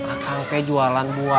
akang te jualan buat